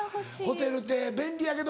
ホテルって便利やけど。